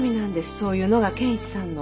そういうのが健一さんの。